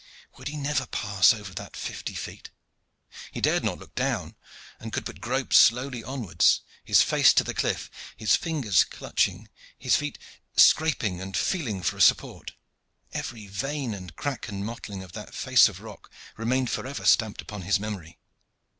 Would he never pass over that fifty feet? He dared not look down and could but grope slowly onwards, his face to the cliff, his fingers clutching, his feet scraping and feeling for a support. Every vein and crack and mottling of that face of rock remained forever stamped upon his memory.